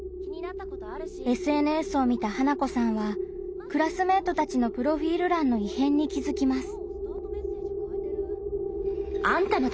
ＳＮＳを見た花子さんはクラスメートたちのプロフィール欄の異変に気づきます。